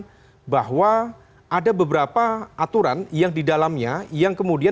saya juga mencermati bagaimana kemudian pertimbangan pertimbangan hukum yang disampaikan juga cukup kelihatan